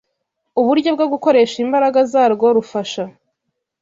uburyo bwo gukoresha imbaraga zarwo rufasha